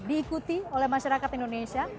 diikuti oleh masyarakat indonesia